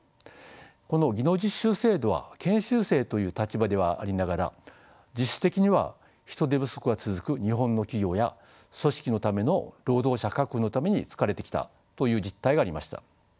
この技能実習制度は研修生という立場ではありながら実質的には人手不足が続く日本の企業や組織のための労働者確保のために使われてきたという実態がありました。